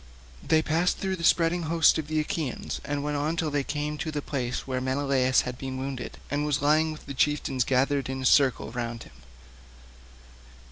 They passed through the spreading host of the Achaeans and went on till they came to the place where Menelaus had been wounded and was lying with the chieftains gathered in a circle round him.